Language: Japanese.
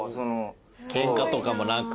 ケンカとかもなく？